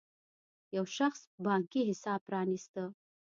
یو شخصي بانکي حساب پرانېسته.